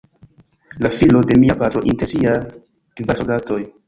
La filo de mia patro, inter siaj kvar soldatoj.